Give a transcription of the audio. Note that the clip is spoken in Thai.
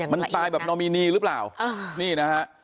มันตายแบบนอมินีหรือเปล่านี่นะฮะ